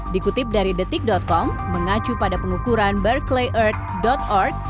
dikutip dari detik com mengacu pada pengukuran berklayert org